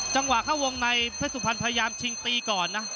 จังหวะเข้าวงในเพชรสุพรรณพยายามชิงตีก่อนนะ